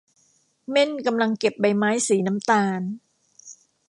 เม่นกำลังเก็บใบไม้สีน้ำตาล